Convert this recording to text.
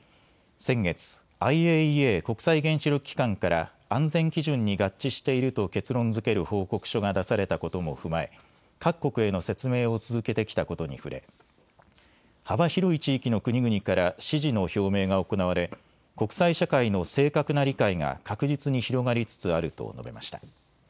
先月、ＩＡＥＡ・国際原子力機関から安全基準に合致していると結論づける報告書が出されたことも踏まえ各国への説明を続けてきたことに触れ、幅広い地域の国々から支持の表明が行われ国際社会の正確な理解が確実に広がりつつあると述べました。